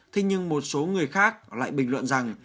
thế nhưng một số người khác lại bình luận rằng